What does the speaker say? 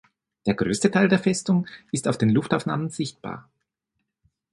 Der größte Teil der Festung ist auf den Luftaufnahmen sichtbar.